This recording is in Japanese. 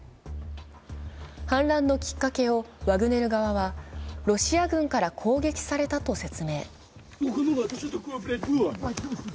反乱のきっかけを、ワグネル側はロシア軍から攻撃されたと説明。